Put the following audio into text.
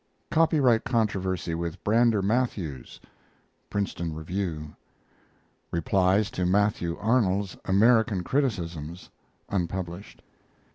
Copyright controversy with Brander Matthews Princeton Review. Replies to Matthew Arnold's American criticisms (unpublished).